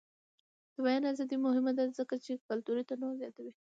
د بیان ازادي مهمه ده ځکه چې کلتوري تنوع زیاتوي.